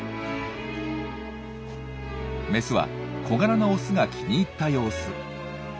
メスは小柄なオスが気に入った様子。